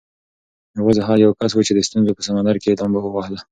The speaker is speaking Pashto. یوازې هغه یو کس و چې د ستونزو په سمندر کې یې لامبو ووهله.